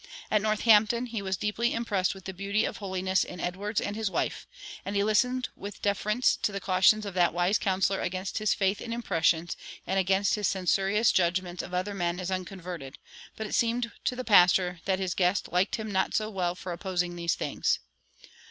At Northampton he was deeply impressed with the beauty of holiness in Edwards and his wife; and he listened with deference to the cautions of that wise counselor against his faith in "impressions" and against his censorious judgments of other men as "unconverted"; but it seemed to the pastor that his guest "liked him not so well for opposing these things."